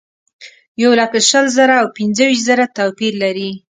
یولک شل زره او پنځه ویشت زره توپیر لري.